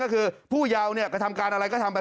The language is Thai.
ก็คือผู้เยาว์กระทำการอะไรก็ทำไป